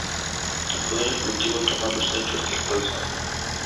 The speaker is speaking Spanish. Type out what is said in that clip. El Poder Ejecutivo toma los hechos tal cual son.